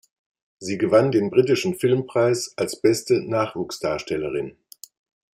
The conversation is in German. Sie gewann den Britischen Filmpreis als "Beste Nachwuchsdarstellerin".